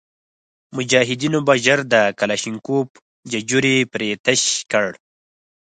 مجاهدینو به ژر د کلشینکوف ججوري پرې تش کړ.